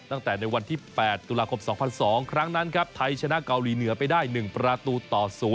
ตั้งแต่ในวันที่๘ตุลาคม๒๐๐๒ครั้งนั้นครับไทยชนะเกาหลีเหนือไปได้๑ประตูต่อ๐